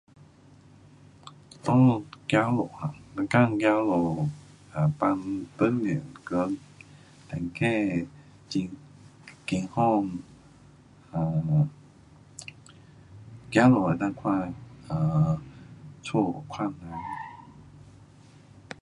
我们走路 um 每天走路，um 帮助讲身体很健康，um 走路能够看 um 家看人。